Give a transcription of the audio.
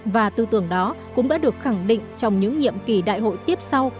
và tư tưởng đó cũng đã được khẳng định trong những nhiệm kỳ đại hội tiếp sau